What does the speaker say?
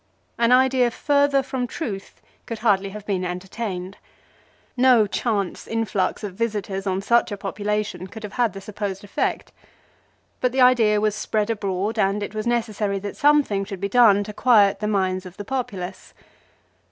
An idea further from truth could hardly have been entertained. No chance influx of 16 LIFE OF CICERO. visitors on such a population could have had the supposed effect. But the idea was spread abroad, and it was necessary that something should be done to quiet the minds of the populace.